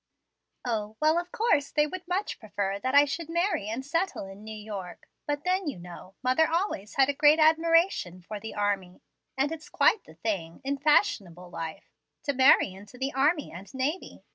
"O, well, of course they would much prefer that I should marry and settle in New York. But then, you know, mother always had a great admiration for the army, and it's quite the thing, in fashionable life, to marry into the army and navy.